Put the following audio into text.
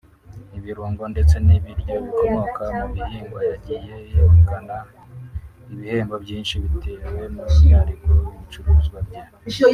ibirungo ndetse n’ibiryo bikomoka mu bihingwa; yagiye yegukana ibihembo byinshi bitewe n’umwihariko w’ibicuruzwa bye